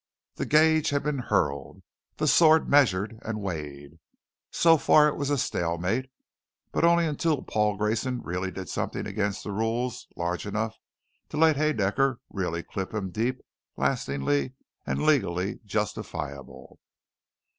The gage had been hurled, the swords measured and weighed. So far it was stalemate. But only until Paul Grayson really did something against the rules, large enough to let Haedaecker really clip him deep, lasting, and legally justifiable.